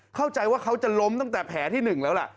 เข้าใจว่าเขาจะล้มตั้งแต่แผลที่๑แล้วล่ะ